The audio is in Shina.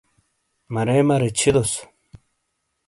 مَرے مَرے چھِیدوسوں۔